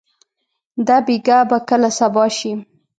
دا بېګا به کله صبا شي؟